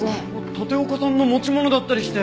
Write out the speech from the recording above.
立岡さんの持ち物だったりして。